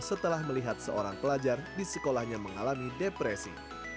setelah melihat seorang pelajar di sekolahnya mengalami depresi